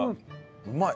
うまい。